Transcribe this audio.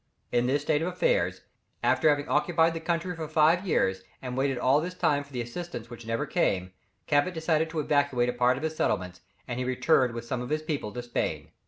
In this state of affairs, after having occupied the country for five years, and waited all this time for the assistance which never came, Cabot decided to evacuate a part of his settlements, and he returned with some of his people to Spain.